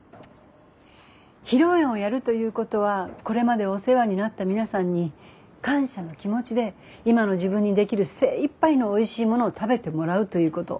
披露宴をやるということはこれまでお世話になった皆さんに感謝の気持ちで今の自分にできる精いっぱいのおいしいものを食べてもらうということ。